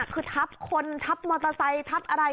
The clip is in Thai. คือทับคนทับมอเตอร์ไซค์ทับอะไร